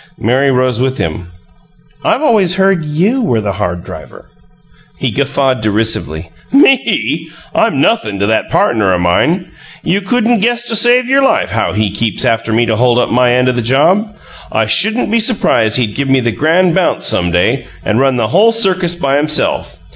Mary rose with him. "I've always heard YOU were the hard driver." He guffawed derisively. "Me? I'm nothin' to that partner o' mine. You couldn't guess to save your life how he keeps after me to hold up my end o' the job. I shouldn't be surprised he'd give me the grand bounce some day, and run the whole circus by himself.